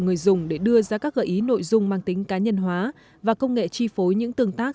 người dùng để đưa ra các gợi ý nội dung mang tính cá nhân hóa và công nghệ chi phối những tương tác